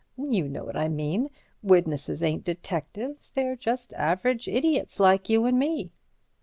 You know what I mean. Witnesses ain't detectives, they're just average idiots like you and me."